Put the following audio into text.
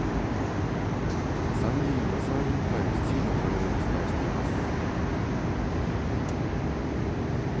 参議院予算委員会の質疑のもようをお伝えしています。